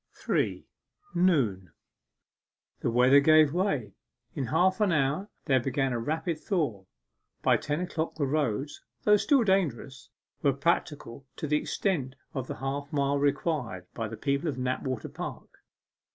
3. NOON The weather gave way. In half an hour there began a rapid thaw. By ten o'clock the roads, though still dangerous, were practicable to the extent of the half mile required by the people of Knapwater Park.